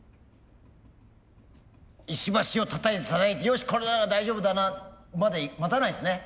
石橋をたたいてたたいて「よし！これなら大丈夫だな」まで待たないんですね。